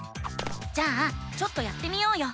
じゃあちょっとやってみようよ！